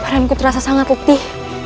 padanku terasa sangat letih